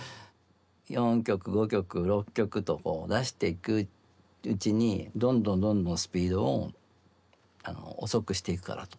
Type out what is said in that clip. ４曲５曲６曲とこう出していくうちにどんどんどんどんスピードを遅くしていくからと。